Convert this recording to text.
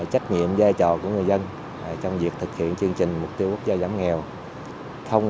trách nhiệm giai trò của người dân trong việc thực hiện chương trình mục tiêu quốc gia giảm nghèo thông